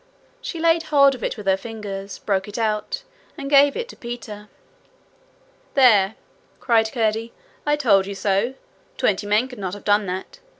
She laid hold of it with her fingers, broke it out, and gave it to Peter. 'There!' cried Curdie. 'I told you so. Twenty men could not have done that.